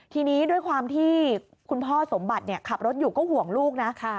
ทีนี้ด้วยความที่คุณพ่อสมบัติขับรถอยู่ก็ห่วงลูกนะ